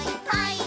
はい。